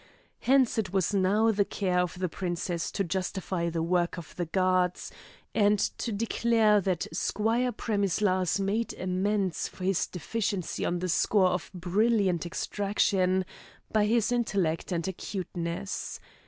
Hence it was now the care of the princess to justify the work of the gods, and to declare that Squire Premislas made amends for his deficiency on the score of brilliant extraction by his intellect and acuteness.